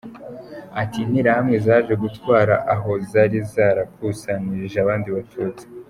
Ati “Interahamwe zaje kuntwara aho zari zarakusanirije abandi Batutsi.